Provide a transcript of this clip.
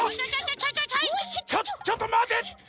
ちょちょっとまて！